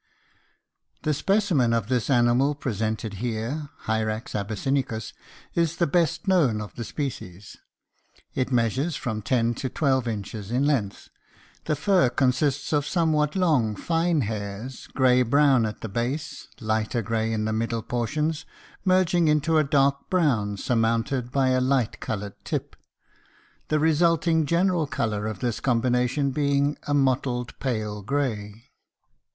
The specimen of this animal presented here (Hyrax abyssinicus) is the best known of the species. It measures from ten to twelve inches in length; the fur consists of somewhat long, fine hairs, gray brown at the base, lighter gray in the middle portions, merging into a dark brown surmounted by a light colored tip, the resulting general color of this combination being a mottled pale gray.